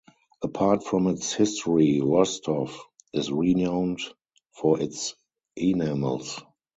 Apart from its history, Rostov is renowned for its enamels.